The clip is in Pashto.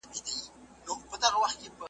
د جنت باغ کې مېوې رقم رقم خورم